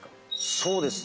そうですね。